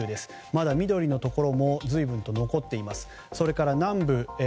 まだ緑のところも残っています。